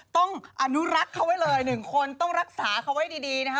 ต้องอนุรักษ์เขาไว้เลย๑คนต้องรักษาเขาไว้ดีนะคะ